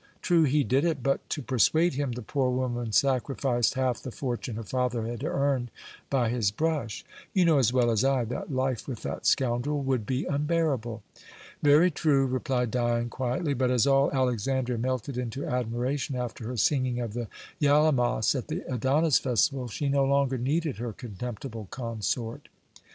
True, he did it, but to persuade him the poor woman sacrificed half the fortune her father had earned by his brush. You know as well as I that life with that scoundrel would be unbearable." "Very true," replied Dion quietly. "But as all Alexandria melted into admiration after her singing of the yalemos at the Adonis festival, she no longer needed her contemptible consort."